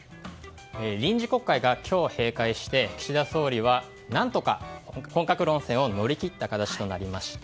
臨時国会が今日閉会して岸田総理は何とか本格論戦を乗り切った形になりました。